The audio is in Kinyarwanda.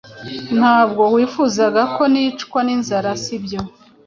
Ntabwo wifuzaga ko nicwa n'inzara, sibyo?